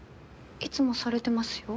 いつもされてますよ。